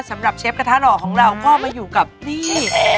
สำหรับเชฟกระทะหรอกของเราก็มาอยู่กับนี่